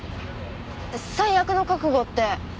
最悪の覚悟って？